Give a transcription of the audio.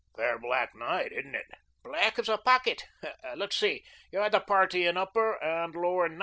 "Fair black night, isn't it?" "Black as a pocket. Let's see, you're the party in upper and lower 9."